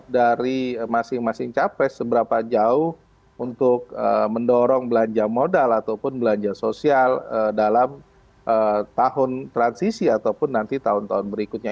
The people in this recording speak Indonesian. dari masing masing capres seberapa jauh untuk mendorong belanja modal ataupun belanja sosial dalam tahun transisi ataupun nanti tahun tahun berikutnya